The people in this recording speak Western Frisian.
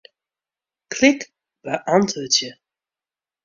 Klik Beäntwurdzje.